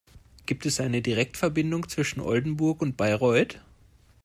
Gibt es eine Direktverbindung zwischen Oldenburg und Bayreuth?